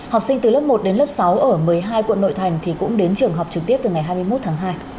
học sinh từ lớp một đến lớp sáu ở một mươi hai quận nội thành thì cũng đến trường học trực tiếp từ ngày hai mươi một tháng hai